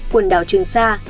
quần đảo trường sa